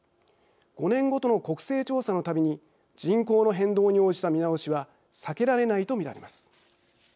５年ごとの国勢調査のたびに人口の変動に応じた見直しは避けられないと見られます。